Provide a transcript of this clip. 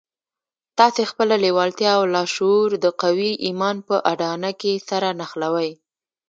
تاسې خپله لېوالتیا او لاشعور د قوي ايمان په اډانه کې سره نښلوئ.